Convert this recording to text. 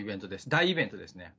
大イベントですね。